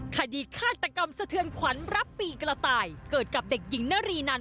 ฆาตกรรมสะเทือนขวัญรับปีกระต่ายเกิดกับเด็กหญิงนารีนัน